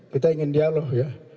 kita ingin dialog ya